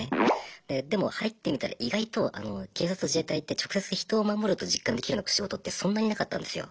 でも入ってみたら意外と警察と自衛隊って直接人を守ると実感できるような仕事ってそんなになかったんですよ。